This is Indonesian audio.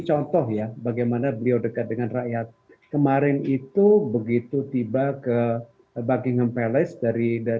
contoh ya bagaimana beliau dekat dengan rakyat kemarin itu begitu tiba ke buckingham palace dari